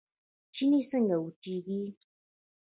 چينې څنګه وچیږي؟